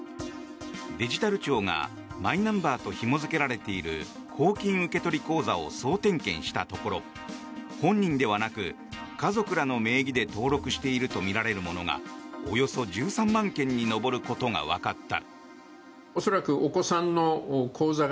デジタル庁がマイナンバーとひも付けられている公金受取口座を総点検したところ本人ではなく家族らの名義で登録しているとみられるものがおよそ１３万件に上ることがわかった。